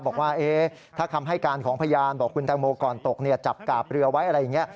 บอกว่าถ้าคำให้การของพยานบอกคุณแตงโมก่อนตกจับกาบเรือไว้อะไรอย่างนี้